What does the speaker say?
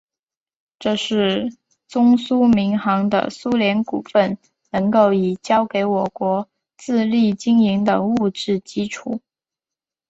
这是中苏民航的苏联股份能够已交给我国自力经营的物质基础。